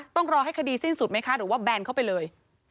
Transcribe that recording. ต้องรอให้คดีสิ้นสุดไหมคะหรือว่าแบนเข้าไปเลย